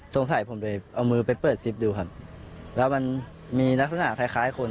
สงสัยผมเลยเอามือไปเปิดซิปดูครับแล้วมันมีลักษณะคล้ายคล้ายคน